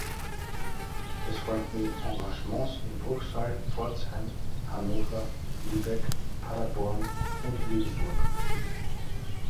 Es folgten Engagements in Bruchsal, Pforzheim, Hannover, Lübeck, Paderborn und Lüneburg.